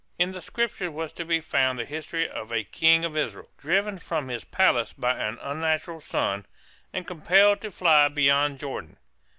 In the Scriptures was to be found the history of a King of Israel, driven from his palace by an unnatural son, and compelled to fly beyond Jordan.